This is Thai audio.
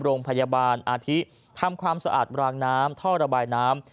โรงพยาบาลอาทิทำความสะอาดรางน้ำท่อระบายน้ำ